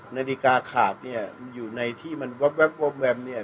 นาฬิกาขาดเนี้ยอยู่ในที่มันวับวับวมแวมเนี้ย